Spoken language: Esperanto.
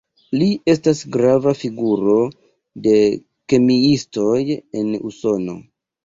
Li estas grava figuro de kemiistoj en Usono.